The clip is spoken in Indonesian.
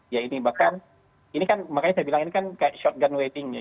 ya ini bahkan ini kan makanya saya bilang ini kan kayak short gun waitingnya